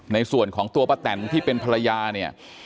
ในส่วนของตัวป้าแตนที่เป็นภรรยาเนี่ย